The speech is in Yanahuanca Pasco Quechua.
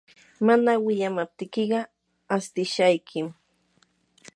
mana wiyamaptiykiqa astishaykim.